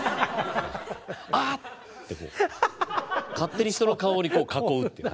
「あっ！」ってこう勝手に人の顔に囲うっていう。